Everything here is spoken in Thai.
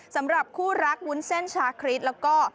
สำหรับคู่รักวุ้นเส้นชาคริสแล้วก็